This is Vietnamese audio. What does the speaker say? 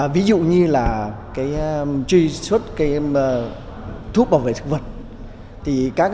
ví dụ như là truy xuất thuốc bảo vệ thực vật